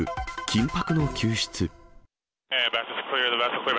緊迫の救出。